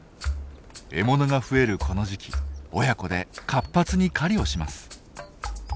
獲物が増えるこの時期親子で活発に狩りをします。